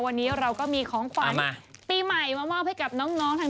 วันนี้เราก็มีของขวัญเอามาปีใหม่มามอบให้กับน้องน้องทาง